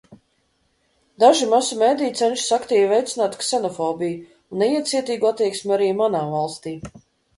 Daži masu mediji cenšas aktīvi veicināt ksenofobiju un neiecietīgu attieksmi arī manā valstī.